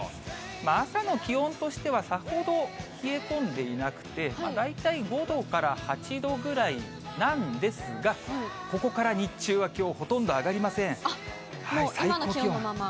朝の気温としては、さほど冷え込んでいなくて、大体５度から８度ぐらいなんですが、ここから日中は、きょうほともう今の気温のまま？